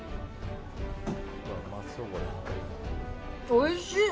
おいしい！